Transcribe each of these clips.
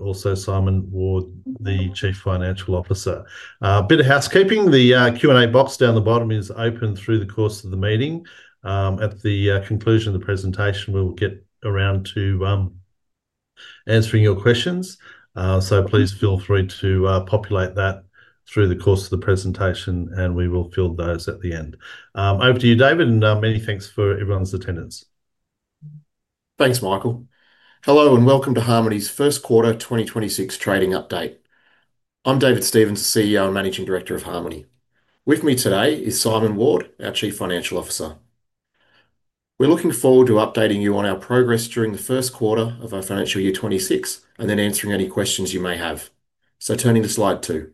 Also Simon Ward, the Chief Financial Officer. A bit of housekeeping. The Q&A box down the bottom is open through the course of the meeting. At the conclusion of the presentation, we'll get around to answering your questions. Please feel free to populate that through the course of the presentation, and we will fill those at the end. Over to you, David, and many thanks for everyone's attendance. Thanks, Michael. Hello and welcome to Harmoney's first quarter 2026 trading update. I'm David Stevens, CEO and Managing Director of Harmoney. With me today is Simon Ward, our Chief Financial Officer. We're looking forward to updating you on our progress during the first quarter of our financial year 2026 and then answering any questions you may have. Turning to slide two.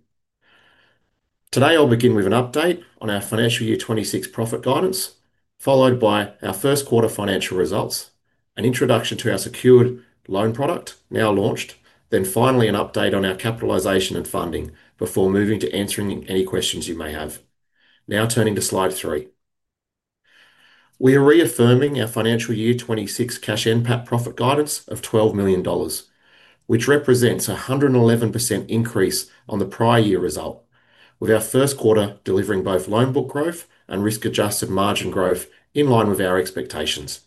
Today I'll begin with an update on our financial year 2026 profit guidance, followed by our first quarter financial results, an introduction to our secured auto loan product now launched, then finally an update on our capitalisation and funding before moving to answering any questions you may have. Now turning to slide three. We are reaffirming our financial year 2026 cash NPAT profit guidance of $12 million, which represents a 111% increase on the prior year result, with our first quarter delivering both loan book growth and risk-adjusted margin growth in line with our expectations.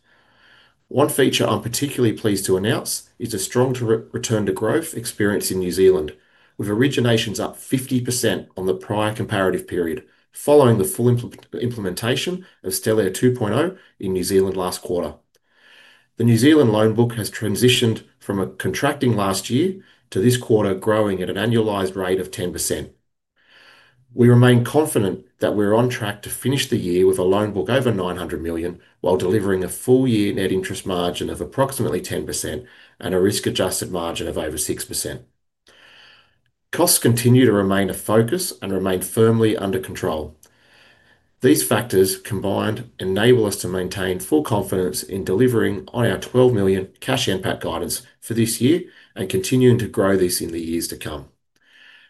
One feature I'm particularly pleased to announce is a strong return to growth experienced in New Zealand, with originations up 50% on the prior comparative period following the full implementation of Stellare 2.0 in New Zealand last quarter. The New Zealand loan book has transitioned from contracting last year to this quarter growing at an annualized rate of 10%. We remain confident that we're on track to finish the year with a loan book over $900 million while delivering a full year net interest margin of approximately 10% and a risk-adjusted margin of over 6%. Costs continue to remain a focus and remain firmly under control. These factors combined enable us to maintain full confidence in delivering on our $12 million cash NPAT guidance for this year and continuing to grow this in the years to come.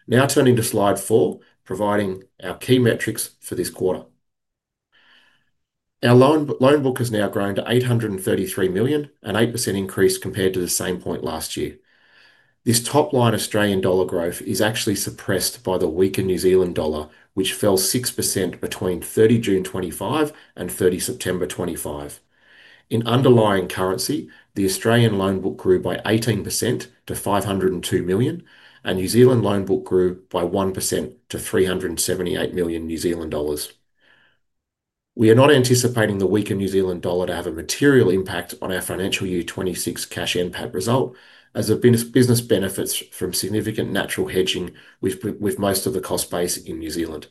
Now turning to slide four, providing our key metrics for this quarter. Our loan book has now grown to $833 million, an 8% increase compared to the same point last year. This top-line Australian dollar growth is actually suppressed by the weaker New Zealand dollar, which fell 6% between 30 June 2025 and 30 September 2025. In underlying currency, the Australian loan book grew by 18% to $502 million, and the New Zealand loan book grew by 1% to $378 million New Zealand dollars. We are not anticipating the weaker New Zealand dollar to have a material impact on our financial year 2026 cash NPAT result, as there have been business benefits from significant natural hedging with most of the cost base in New Zealand.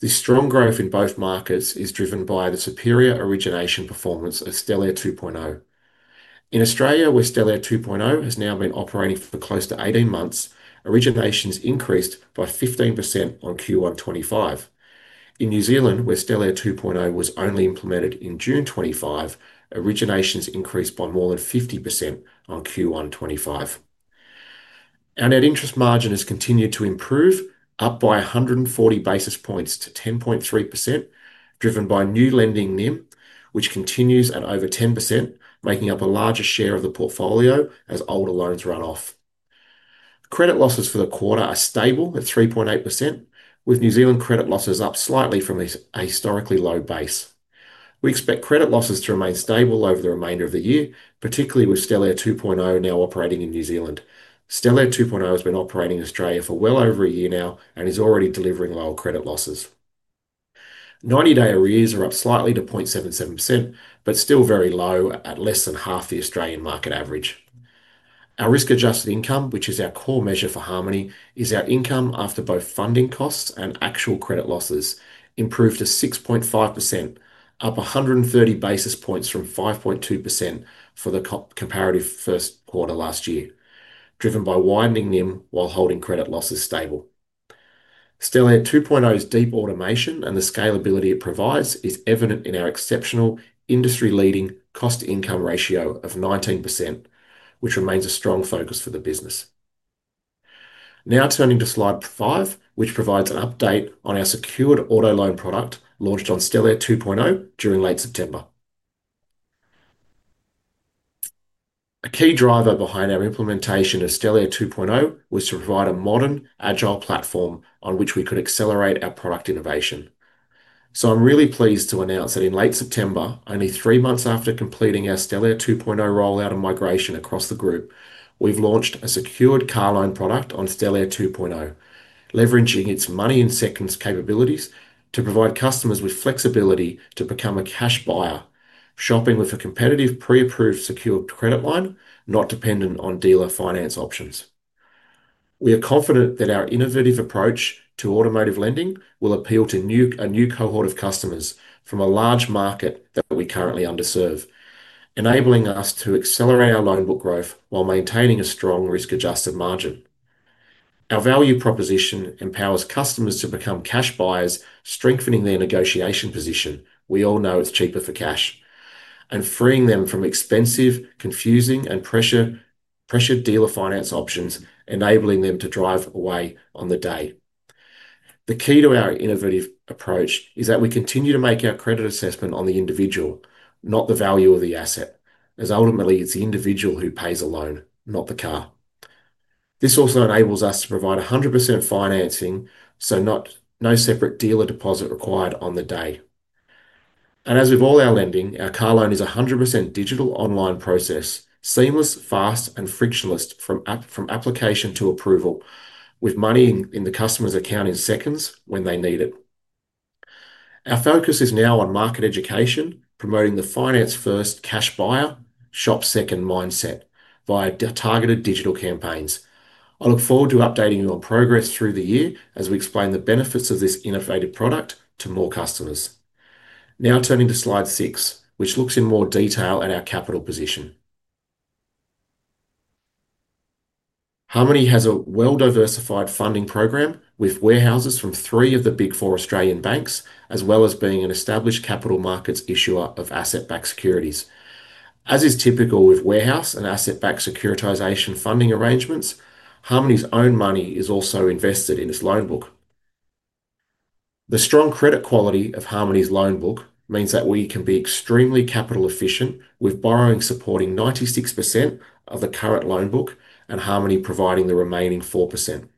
This strong growth in both markets is driven by the superior origination performance of Stellare 2.0. In Australia, where Stellare 2.0 has now been operating for close to 18 months, originations increased by 15% on Q1 2025. In New Zealand, where Stellare 2.0 was only implemented in June 2025, originations increased by more than 50% on Q1 2025. Our net interest margin has continued to improve, up by 140 basis points to 10.3%, driven by new lending NIM, which continues at over 10%, making up a larger share of the portfolio as older loans run off. Credit losses for the quarter are stable at 3.8%, with New Zealand credit losses up slightly from a historically low base. We expect credit losses to remain stable over the remainder of the year, particularly with Stellare 2.0 now operating in New Zealand. Stellare 2.0 has been operating in Australia for well over a year now and is already delivering lower credit losses. 90-day arrears are up slightly to 0.77%, but still very low at less than half the Australian market average. Our risk-adjusted income, which is our core measure for Harmoney, is our income after both funding costs and actual credit losses, improved to 6.5%, up 130 basis points from 5.2% for the comparative first quarter last year, driven by widening NIM while holding credit losses stable. Stellare 2.0's deep automation and the scalability it provides are evident in our exceptional, industry-leading cost-to-income ratio of 19%, which remains a strong focus for the business. Now turning to slide five, which provides an update on our secured auto loan product launched on Stellare 2.0 during late September. A key driver behind our implementation of Stellare 2.0 was to provide a modern, agile platform on which we could accelerate our product innovation. I'm really pleased to announce that in late September, only three months after completing our Stellare 2.0 rollout and migration across the group, we've launched a secured auto loan product on Stellare 2.0, leveraging its money-in-seconds capabilities to provide customers with flexibility to become a cash buyer, shopping with a competitive pre-approved secured credit line, not dependent on dealer finance options. We are confident that our innovative approach to automotive lending will appeal to a new cohort of customers from a large market that we currently underserve, enabling us to accelerate our loan book growth while maintaining a strong risk-adjusted margin. Our value proposition empowers customers to become cash buyers, strengthening their negotiation position. We all know it's cheaper for cash and freeing them from expensive, confusing, and pressured dealer finance options, enabling them to drive away on the day. The key to our innovative approach is that we continue to make our credit assessment on the individual, not the value of the asset, as ultimately it's the individual who pays a loan, not the car. This also enables us to provide 100% financing, so no separate dealer deposit required on the day. As with all our lending, our car loan is a 100% digital online process, seamless, fast, and frictionless from application to approval, with money in the customer's account in seconds when they need it. Our focus is now on market education, promoting the finance-first cash buyer, shop-second mindset via targeted digital campaigns. I look forward to updating you on progress through the year as we explain the benefits of this innovative product to more customers. Now turning to slide six, which looks in more detail at our capital position. Harmoney has a well-diversified funding program with warehouses from three of the Big Four Australian banks, as well as being an established capital markets issuer of asset-backed securities. As is typical with warehouse and asset-backed securitization funding arrangements, Harmoney's own money is also invested in its loan book. The strong credit quality of Harmoneys loan book means that we can be extremely capital efficient, with borrowing supporting 96% of the current loan book and Harmoney providing the remaining 4%.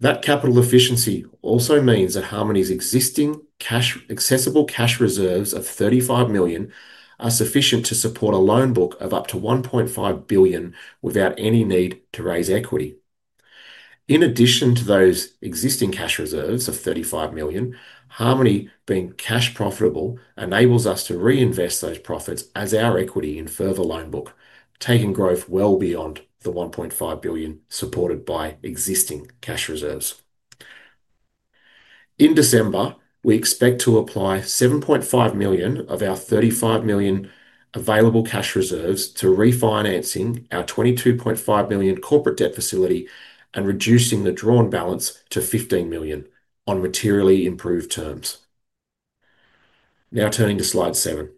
That capital efficiency also means that Harmoney's existing accessible cash reserves of $35 million are sufficient to support a loan book of up to $1.5 billion without any need to raise equity. In addition to those existing cash reserves of $35 million, Harmoney being cash profitable enables us to reinvest those profits as our equity in further loan book, taking growth well beyond the $1.5 billion supported by existing cash reserves. In December, we expect to apply $7.5 million of our $35 million available cash reserves to refinancing our $22.5 million corporate debt facility and reducing the drawn balance to $15 million on materially improved terms. Now turning to slide seven.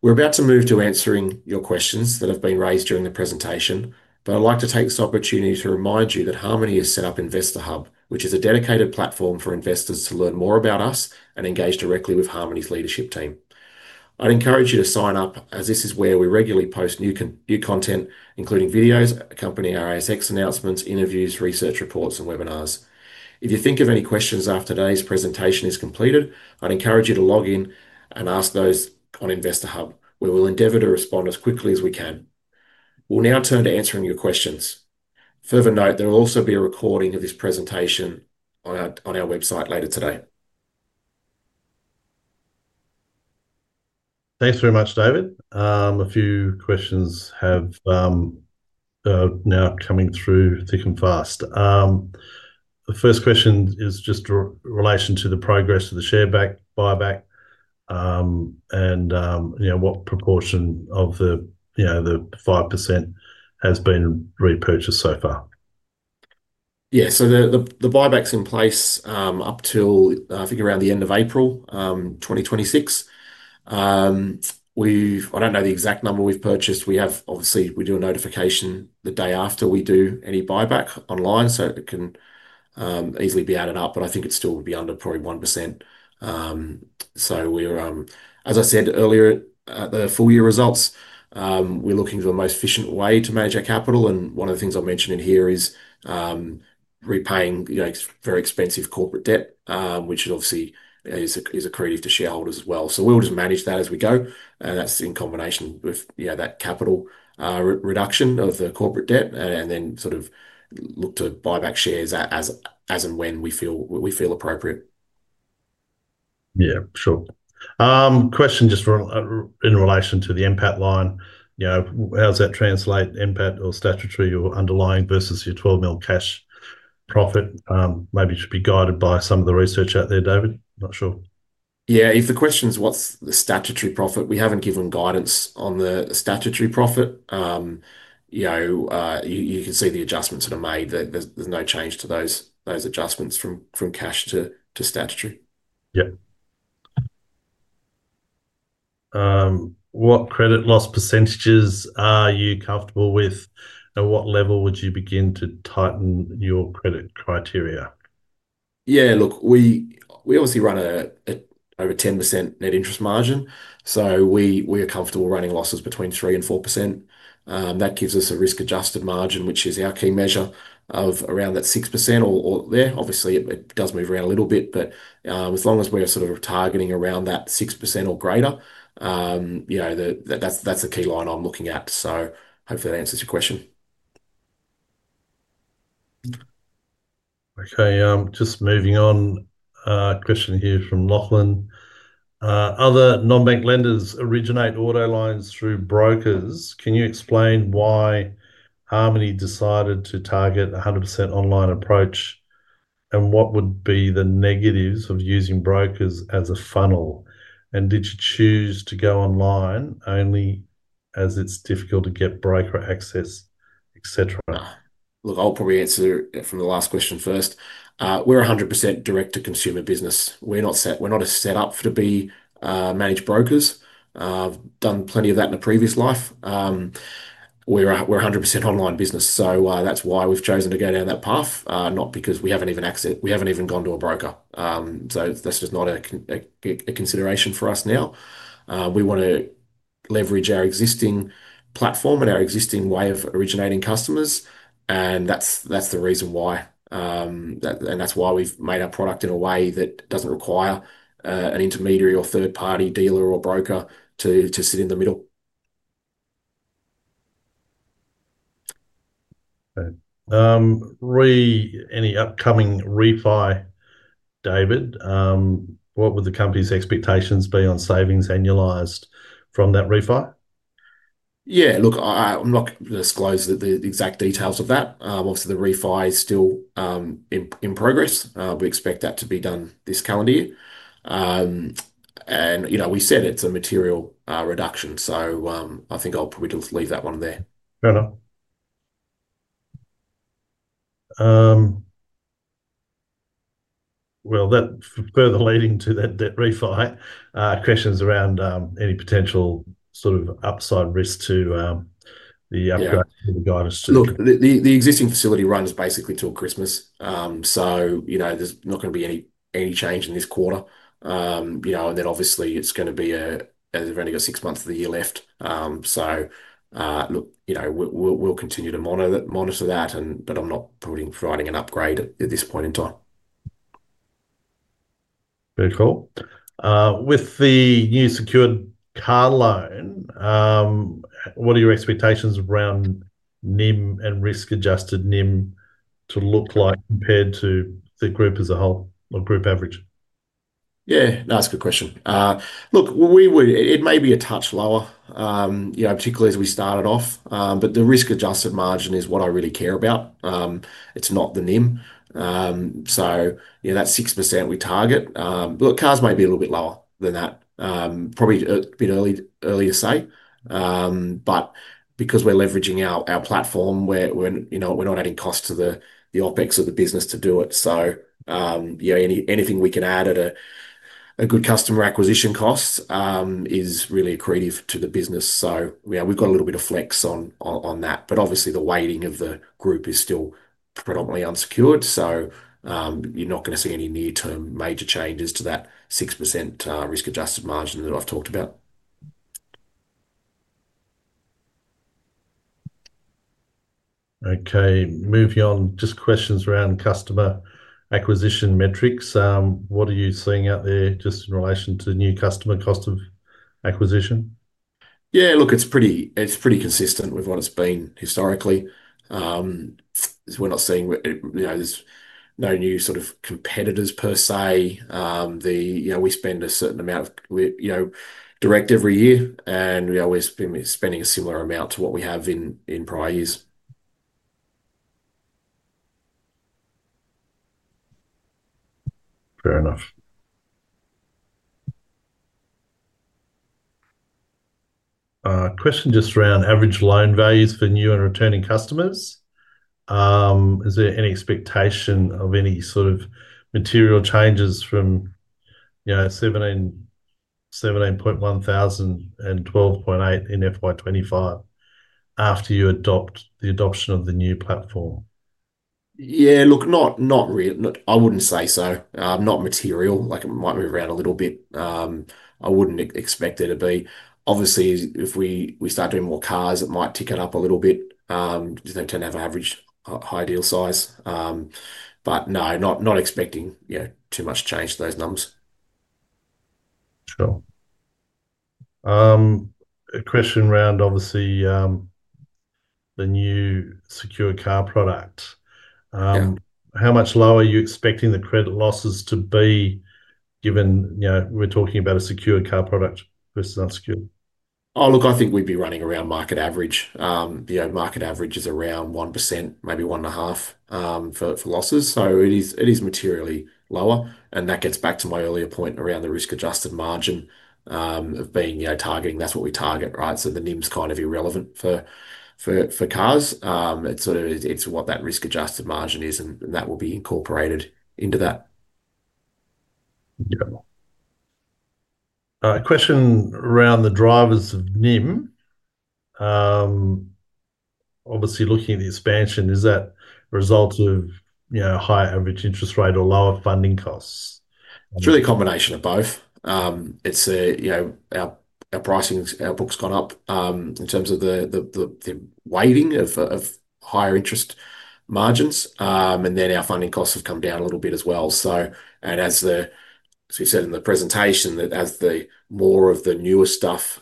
We're about to move to answering your questions that have been raised during the presentation, but I'd like to take this opportunity to remind you that Harmoney has set up Investor Hub, which is a dedicated platform for investors to learn more about us and engage directly with Harmoney's leadership team. I'd encourage you to sign up as this is where we regularly post new content, including videos, accompanying ASX announcements, interviews, research reports, and webinars. If you think of any questions after today's presentation is completed, I'd encourage you to log in and ask those on Investor Hub. We will endeavor to respond as quickly as we can. We'll now turn to answering your questions. Further note, there will also be a recording of this presentation on our website later today. Thanks very much, David. A few questions are now coming through thick and fast. The first question is just in relation to the progress to the share buyback and what proportion of the 5% has been repurchased so far. Yeah, so the buyback's in place up till, I think, around the end of April 2026. I don't know the exact number we've purchased. We have, obviously, we do a notification the day after we do any buyback online, so it can easily be added up, but I think it still would be under probably 1%. As I said earlier, at the full year results, we're looking for the most efficient way to manage our capital, and one of the things I mentioned in here is repaying, you know, very expensive corporate debt, which obviously is accretive to shareholders as well. We'll just manage that as we go, and that's in combination with that capital reduction of the corporate debt and then sort of look to buy back shares as and when we feel appropriate. Yeah, sure. Question just in relation to the NPAT line. You know, how does that translate, NPAT or statutory or underlying versus your $12 million cash profit? Maybe it should be guided by some of the research out there, David. I'm not sure. Yeah, if the question is what's the statutory profit, we haven't given guidance on the statutory profit. You know, you can see the adjustments that are made. There's no change to those adjustments from cash to statutory. What credit loss percentages are you comfortable with, and what level would you begin to tighten your credit criteria? Yeah, look, we obviously run at over 10% net interest margin, so we are comfortable running losses between 3% and 4%. That gives us a risk-adjusted margin, which is our key measure of around that 6%, or there. It does move around a little bit, but as long as we're sort of targeting around that 6% or greater, you know, that's the key line I'm looking at. Hopefully that answers your question. Okay, just moving on. A question here from Lachlan. Other non-bank lenders originate auto loans through brokers. Can you explain why Harmoney decided to target a 100% online approach, and what would be the negatives of using brokers as a funnel? Did you choose to go online only as it's difficult to get broker access, etc.? Look, I'll probably answer from the last question first. We're a 100% direct-to-consumer business. We're not set up to be managed brokers. I've done plenty of that in a previous life. We're a 100% online business, that's why we've chosen to go down that path, not because we haven't even accessed, we haven't even gone to a broker. That's just not a consideration for us now. We want to leverage our existing platform and our existing way of originating customers, and that's the reason why. That's why we've made our product in a way that doesn't require an intermediary or third-party dealer or broker to sit in the middle. Any upcoming refi, David? What would the company's expectations be on savings annualized from that refi? I'm not going to disclose the exact details of that. Obviously, the refi is still in progress. We expect that to be done this calendar year. We said it's a material reduction, so I think I'll probably just leave that one there. Fair enough. That further leading to that debt refi, questions around any potential sort of upside risk to the upgrade to the guidance. The existing facility runs basically till Christmas, so there's not going to be any change in this quarter. Obviously, it's going to be a, they've only got six months of the year left. We'll continue to monitor that, but I'm not providing an upgrade at this point in time. Very cool. With the new secured car loan, what are your expectations around NIM and risk-adjusted NIM to look like compared to the group as a whole or group average? Yeah, no, that's a good question. It may be a touch lower, you know, particularly as we started off, but the risk-adjusted margin is what I really care about. It's not the NIM. You know, that 6% we target, cars may be a little bit lower than that. Probably a bit early to say, but because we're leveraging our platform, we're not adding costs to the OpEx of the business to do it. Anything we can add at a good customer acquisition cost is really accretive to the business. We've got a little bit of flex on that, but obviously the weighting of the group is still predominantly unsecured. You're not going to see any near-term major changes to that 6% risk-adjusted margin that I've talked about. Okay, moving on, just questions around customer acquisition metrics. What are you seeing out there just in relation to new customer cost of acquisition? Yeah, look, it's pretty consistent with what it's been historically. We're not seeing, you know, there's no new sort of competitors per se. We spend a certain amount of direct every year, and we always spend a similar amount to what we have in prior years. Fair enough. Question just around average loan values for new and returning customers. Is there any expectation of any sort of material changes from, you know, $17,100 and $12,800 in FY 2025 after you adopt the adoption of the new platform? Yeah, not really. I wouldn't say so. Not material. It might move around a little bit. I wouldn't expect there to be. Obviously, if we start doing more cars, it might tick it up a little bit. I tend to have an average high deal size, but no, not expecting too much change to those numbers. Sure. A question around obviously the new secured car product. How much lower are you expecting the credit losses to be given, you know, we're talking about a secured car product versus unsecured? I think we'd be running around market average. Market average is around 1%, maybe 1.5% for losses. It is materially lower, and that gets back to my earlier point around the risk-adjusted margin of being, you know, targeting. That's what we target, right? The NIM's kind of irrelevant for cars. It's sort of what that risk-adjusted margin is, and that will be incorporated into that. Yeah. Question around the drivers of NIM. Obviously, looking at the expansion, is that a result of, you know, high average interest rate or lower funding costs? It's really a combination of both. Our pricing output's gone up in terms of the weighting of higher interest margins, and our funding costs have come down a little bit as well. As we said in the presentation, as more of the newer stuff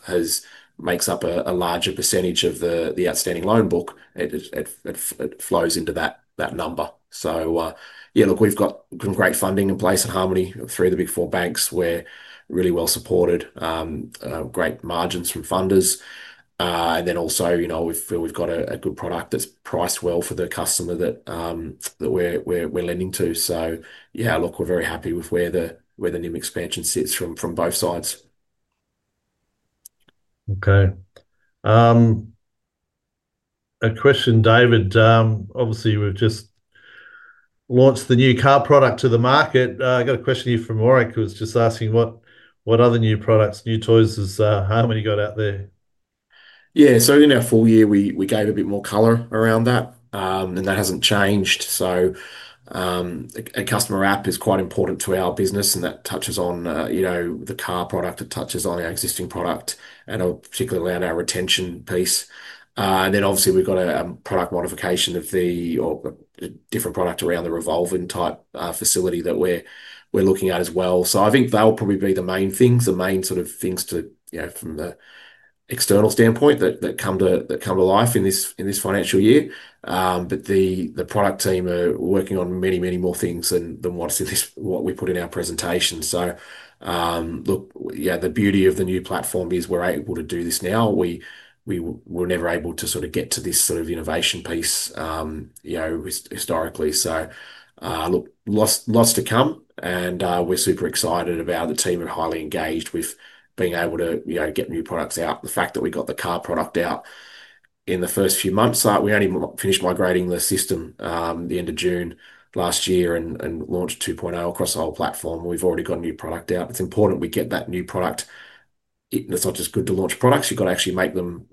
makes up a larger percentage of the outstanding loan book, it flows into that number. We've got some great funding in place at Harmoney through the Big Four banks. We're really well-supported, great margins from funders. We feel we've got a good product that's priced well for the customer that we're lending to. We're very happy with where the NIM expansion sits from both sides. Okay. A question, David. Obviously, we've just launched the new car product to the market. I got a question here from Warwick who was just asking what other new products, new toys has Harmoney got out there? Yeah, in our full year, we gave a bit more color around that, and that hasn't changed. A customer app is quite important to our business, and that touches on the car product. It touches on our existing product and particularly around our retention piece. Obviously, we've got a product modification of the different product around the revolving credit facility that we're looking at as well. I think they'll probably be the main things, the main sort of things from the external standpoint that come to life in this financial year. The product team are working on many, many more things than what we put in our presentation. The beauty of the new platform is we're able to do this now. We were never able to get to this sort of innovation piece historically. Lots to come, and we're super excited about it. The team are highly engaged with being able to get new products out. The fact that we got the car product out in the first few months, we only finished migrating the system at the end of June last year and launched 2.0 across the whole platform. We've already got a new product out. It's important we get that new product. It's not just good to launch products. You've got to actually make them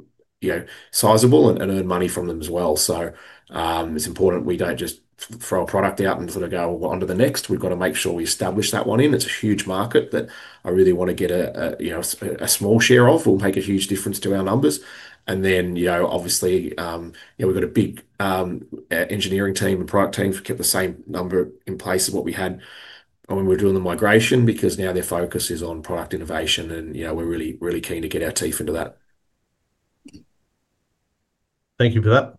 sizable and earn money from them as well. It's important we don't just throw a product out and go onto the next. We've got to make sure we establish that one in. It's a huge market that I really want to get a small share of. It will make a huge difference to our numbers. Obviously, we've got a big engineering team and product team to keep the same number in place of what we had when we were doing the migration because now their focus is on product innovation and we're really, really keen to get our teeth into that. Thank you for that.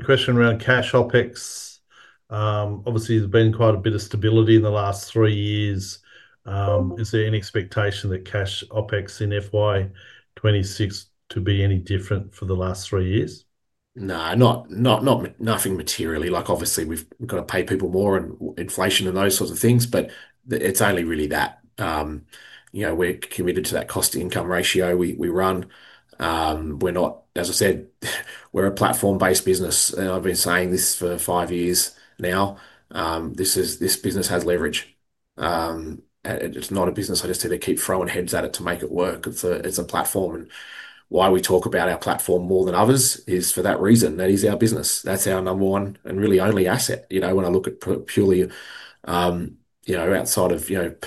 A question around cash OpEx. Obviously, there's been quite a bit of stability in the last three years. Is there any expectation that cash OpEx in FY 2026 to be any different for the last three years? No, not nothing materially. Obviously, we've got to pay people more and inflation and those sorts of things, but it's only really that. We're committed to that cost-to-income ratio we run. We're not, as I said, we're a platform-based business. I've been saying this for five years now. This business has leverage. It's not a business I just have to keep throwing heads at to make it work. It's a platform. We talk about our platform more than others for that reason. That is our business. That's our number one and really only asset. When I look at purely, outside of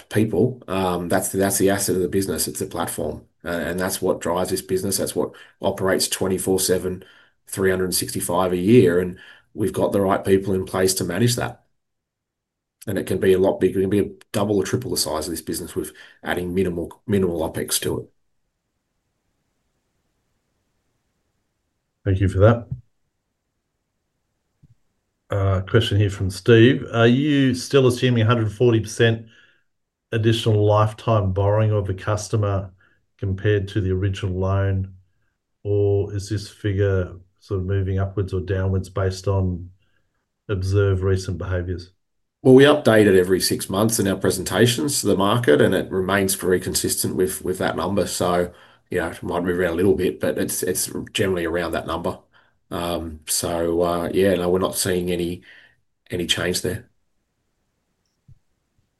people, that's the asset of the business. It's the platform. That's what drives this business. That's what operates 24/7, 365 a year. We've got the right people in place to manage that. It can be a lot bigger. It can be double or triple the size of this business with adding minimal OpEx to it. Thank you for that. A question here from Steve. Are you still assuming 140% additional lifetime borrowing of a customer compared to the original loan, or is this figure sort of moving upwards or downwards based on observed recent behaviors? We update it every six months in our presentations to the market, and it remains very consistent with that number. It might move around a little bit, but it's generally around that number. Yeah, no, we're not seeing any change there.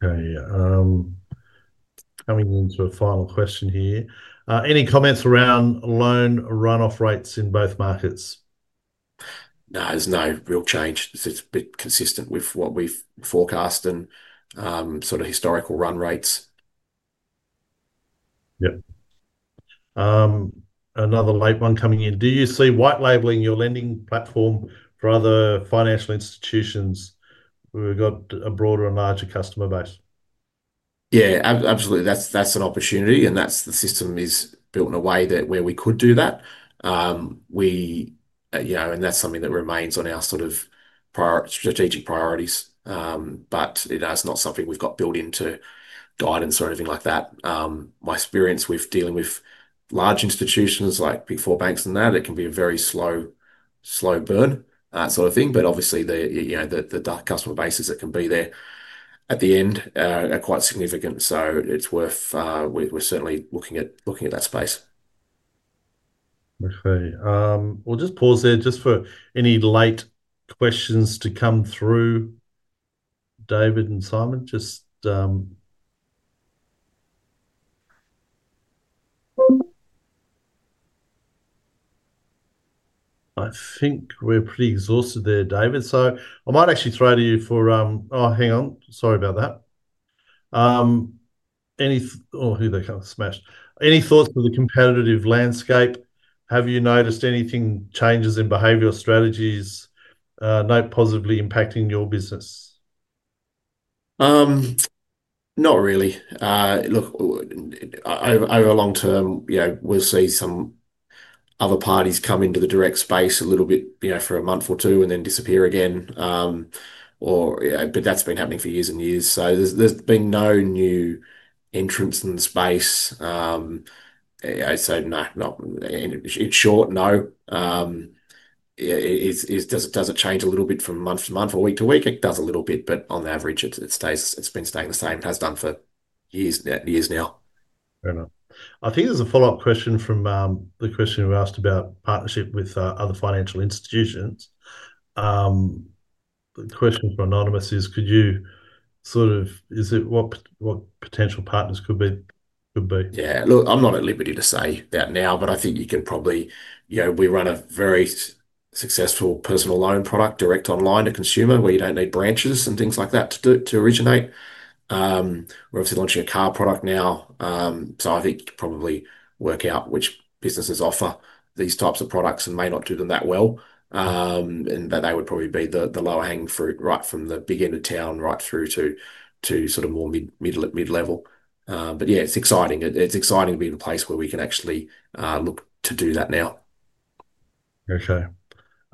Okay, coming into a final question here. Any comments around loan runoff rates in both markets? No, there's no real change. It's a bit consistent with what we've forecast and historical run rates. Another late one coming in. Do you see white-labeling your lending platform for other financial institutions where we've got a broader and larger customer base? Yeah, absolutely. That's an opportunity, and the system is built in a way where we could do that. That's something that remains on our sort of prior strategic priorities. It is not something we've got built into guidance or anything like that. My experience with dealing with large institutions like Big Four banks is that it can be a very slow, slow burn sort of thing. Obviously, the customer bases that can be there at the end are quite significant. It's worth it, and we're certainly looking at that space. Okay. We'll just pause there for any late questions to come through. David and Simon, I think we're pretty exhausted there, David. I might actually throw it to you for, oh, hang on. Sorry about that. Any thoughts on the competitive landscape? Have you noticed anything, changes in behavior or strategies? Anything positively impacting your business? Not really. Over a long-term, you know, we'll see some other parties come into the direct space a little bit, you know, for a month or two and then disappear again. That's been happening for years and years. There's been no new entrants in the space. No, not in short, no. Does it change a little bit from month to month or week to week? It does a little bit, but on average, it's been staying the same, has done for years now. Fair enough. I think there's a follow-up question from the question you asked about partnership with other financial institutions. The question from anonymous is, could you sort of, is it what potential partners could be? I'm not at liberty to say that now, but I think you could probably, you know, we run a very successful personal loan product, direct online to consumer, where you don't need branches and things like that to originate. We're obviously launching a car product now. I think you could probably work out which businesses offer these types of products and may not do them that well. That would probably be the lower-hanging fruit, right from the big end of town right through to sort of more mid-level. It's exciting. It's exciting to be in a place where we can actually look to do that now. Okay.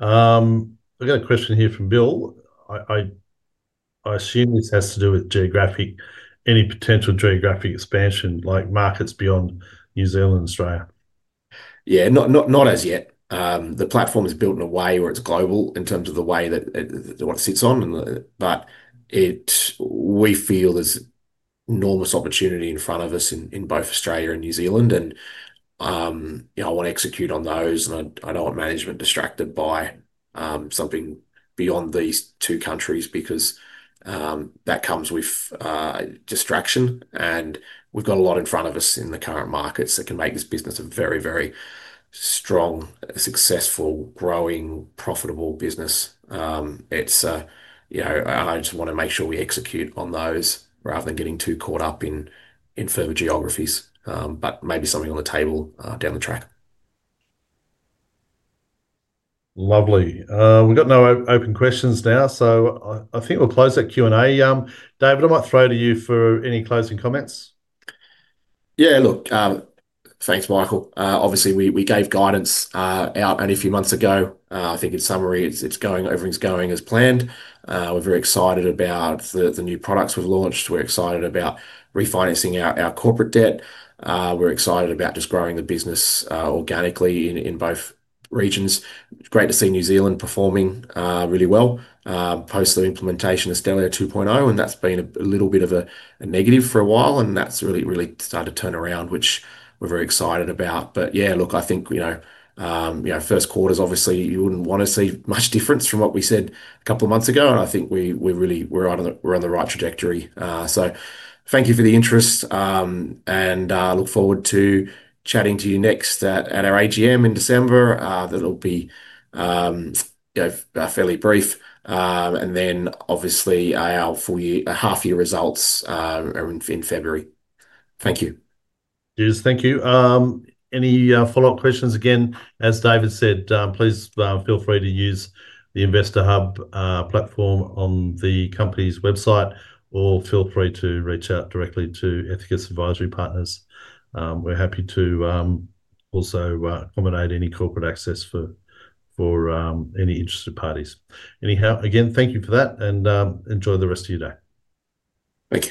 I got a question here from Bill. I assume this has to do with geographic, any potential geographic expansion, like markets beyond New Zealand and Australia. Not as yet. The platform is built in a way where it's global in terms of the way that it sits on. We feel there's enormous opportunity in front of us in both Australia and New Zealand. I want to execute on those, and I don't want management distracted by something beyond these two countries because that comes with distraction. We've got a lot in front of us in the current markets that can make this business a very, very strong, successful, growing, profitable business. I just want to make sure we execute on those rather than getting too caught up in further geographies. Maybe something on the table down the track. Lovely. We've got no open questions now. I think we'll close that Q&A. David, I might throw it to you for any closing comments. Yeah, look, thanks, Michael. Obviously, we gave guidance out only a few months ago. I think in summary, everything's going as planned. We're very excited about the new products we've launched. We're excited about refinancing our corporate debt. We're excited about just growing the business organically in both regions. It's great to see New Zealand performing really well post the implementation of Stellare 2.0, and that's been a little bit of a negative for a while, and that's really, really started to turn around, which we're very excited about. I think, you know, first quarters, obviously, you wouldn't want to see much difference from what we said a couple of months ago, and I think we're really, we're on the right trajectory. Thank you for the interest, and look forward to chatting to you next at our AGM in December. It'll be, you know, fairly brief. Obviously, our full year, half-year results are in February. Thank you. Cheers, thank you. Any follow-up questions? As David said, please feel free to use the Investor Hub platform on the company's website, or feel free to reach out directly to Ethicus Advisory Partners. We're happy to also accommodate any corporate access for any interested parties. Thank you for that, and enjoy the rest of your day. Thanks.